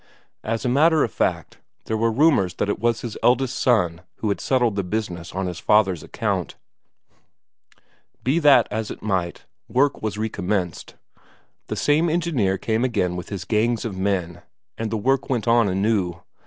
As a matter of fact, there were rumours that it was his eldest son who had settled the business on his father's account. Be that as it might, work was recommenced; the same engineer came again with his gangs of men, and the work went on anew.